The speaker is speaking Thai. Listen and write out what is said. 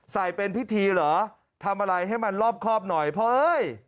เป็นพิธีเหรอทำอะไรให้มันรอบครอบหน่อยเพราะเอ้ย